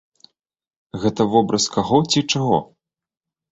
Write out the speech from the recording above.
Гэта вобраз каго ці чаго?